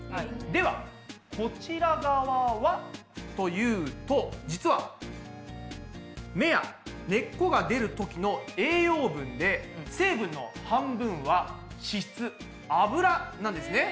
ではこちら側はというと実は芽や根っこが出るときの栄養分で脂なんですね。